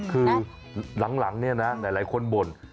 คือหลังเนี่ยนะหลายคนบ่น